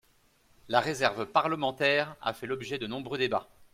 La réserve parlementaire a fait l’objet de nombreux débats.